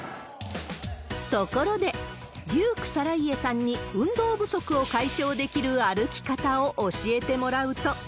ところで、デューク更家さんに、運動不足を解消できる歩き方を教えてもらうと。